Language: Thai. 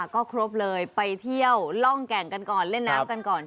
ก็ครบเลยไปเที่ยวร่องแก่งกันก่อนเล่นน้ำกันก่อน